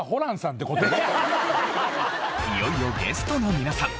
いよいよゲストの皆さん。